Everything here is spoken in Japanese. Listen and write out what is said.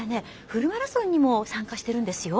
フルマラソンにも参加してるんですよ。